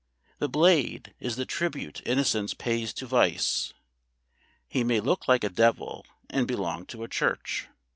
The Blade is the tribute innocence pays to vice. He may look like a devil and belong to a church.